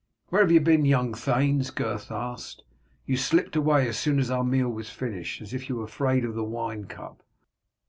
"Where have you been, young thanes?" Gurth asked. "You slipped away as soon as our meal was finished, as if you were afraid of the wine cup."